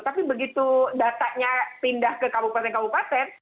tapi begitu datanya pindah ke kabupaten kabupaten